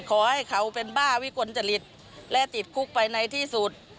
ขอให้เขาเป็นบ้าวิกลจริตและติดคุกไปในที่สุด